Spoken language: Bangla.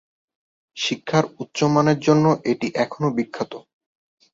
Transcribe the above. শিক্ষার উচ্চমানের জন্য এটি এখনো বিখ্যাত।